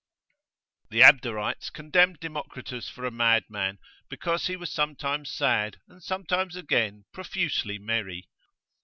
The Abderites condemned Democritus for a mad man, because he was sometimes sad, and sometimes again profusely merry.